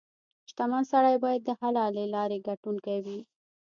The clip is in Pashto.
• شتمن سړی باید د حلالې لارې ګټونکې وي.